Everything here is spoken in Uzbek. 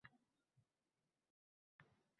Lekin qalb go`zalligi haqida bunday deyish noo`rin